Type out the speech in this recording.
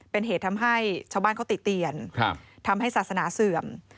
เป็นเหตุทำให้ชาวบ้านเขาติเตียนทำให้ศาสนาเสื่อม